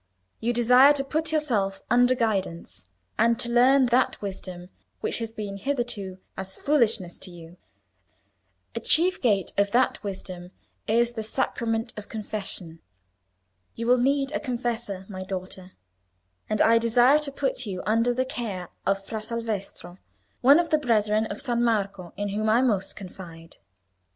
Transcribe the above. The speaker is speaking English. You desire to put yourself under guidance, and to learn that wisdom which has been hitherto as foolishness to you. A chief gate of that wisdom is the sacrament of confession. You will need a confessor, my daughter, and I desire to put you under the care of Fra Salvestro, one of the brethren of San Marco, in whom I most confide."